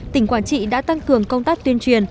tỉnh quảng trị đã tăng cường công tác tuyên truyền